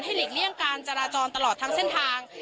หลีกเลี่ยงการจราจรตลอดทั้งเส้นทาง